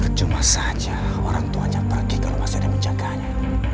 terjemah saja orang tua yang pergi kalau masih ada menjaganya